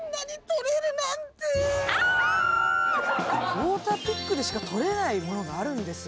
モーターピックでしか取れないものがあるんですよ。